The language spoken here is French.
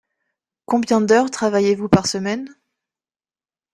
Combien d’heures travaillez-vous par semaine ?